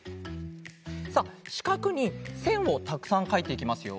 さあしかくにせんをたくさんかいていきますよ。